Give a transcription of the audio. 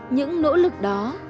những nỗ lực đó